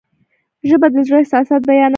ژبه د زړه احساسات بیانوي.